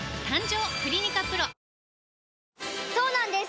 そうなんです